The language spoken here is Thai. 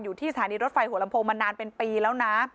สถานีรถไฟหัวลำโพงมานานเป็นปีแล้วนะ